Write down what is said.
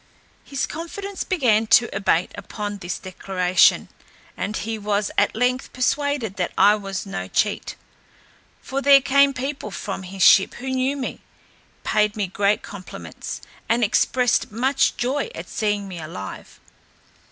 His confidence began to abate upon this declaration, and he was at length persuaded that I was no cheat: for there came people from his ship who knew me, paid me great compliments, and expressed much joy at seeing me alive.